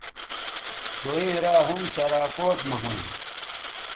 دوئیں را ھُم شراکوٹ مہ ھُون